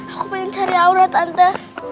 aku mau cari aura tante